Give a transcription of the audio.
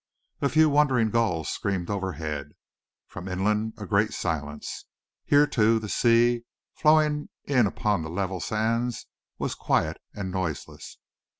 A few wandering gulls screamed overhead. From inland, a great silence. Here, too, the sea, flowing in upon the level sands, was quiet and noiseless.